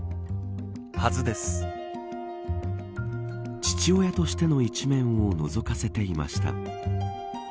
父親としての一面をのぞかせていました。